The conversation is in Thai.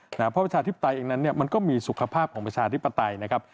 เพราะประชาธิปไตยเองนั้นมันก็มีสุขภาพของประชาธิปไตยนะครับ